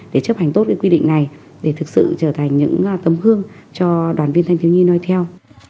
để chấp hành tốt quy định này để thực sự trở thành những tấm gương cho đoàn viên thanh thiếu nhi nói theo